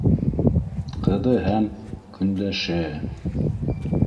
Ҡыҙы һәм... көндәше.